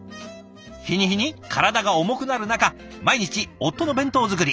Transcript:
日に日に体が重くなる中毎日夫の弁当作り。